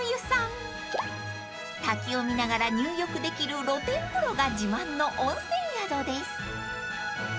［滝を見ながら入浴できる露天風呂が自慢の温泉宿です］